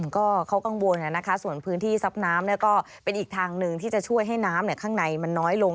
ก็เขากังวลส่วนพื้นที่ซับน้ำก็เป็นอีกทางหนึ่งที่จะช่วยให้น้ำข้างในมันน้อยลง